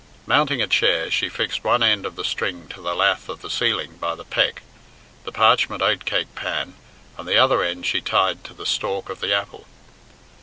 Mounting a chair, she fixed one end of the string to the lath of the ceiling by the peck, the parchment oatcake pan, and the other end she tied to the stalk of the apple.